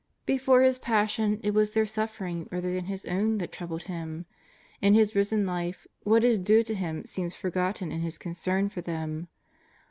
Before His Passion it was their suffering, rather than His own, that troubled Him. In His Risen Life, what is due to Himself seems forgotten in His concern for them.